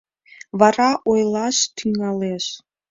Вара ойлаш тӱҥалеш.